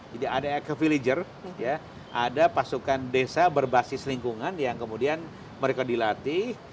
jadi ada ecovillager ada pasukan desa berbasis lingkungan yang kemudian mereka dilatih